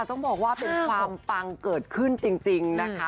ต้องบอกว่าเป็นความปังเกิดขึ้นจริงนะคะ